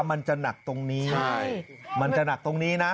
มันจะหนักตรงนี้มันจะหนักตรงนี้นะ